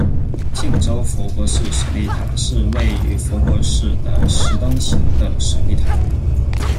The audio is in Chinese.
庆州佛国寺舍利塔是位于佛国寺的石灯形的舍利塔。